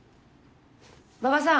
馬場さん。